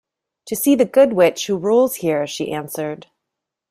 "To see the Good Witch who rules here," she answered.